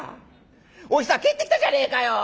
お久帰ってきたじゃねえかよ」。